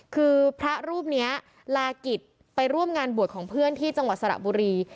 คือพระรูปนี้ลากิจไปร่วมงานบวชของเพื่อนที่จังหวัดสระบุรี